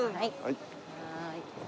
はい。